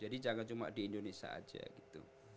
jadi jangan cuma di indonesia aja gitu